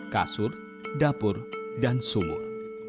kasur dapur dan sumur